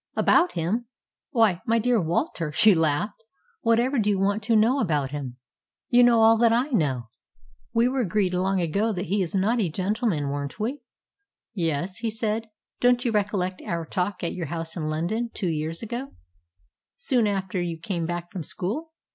"About him! Why, my dear Walter," she laughed, "whatever do you want to know about him? You know all that I know. We were agreed long ago that he is not a gentleman, weren't we?" "Yes," he said. "Don't you recollect our talk at your house in London two years ago, soon after you came back from school?